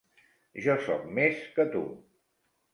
Jo soc més que tu.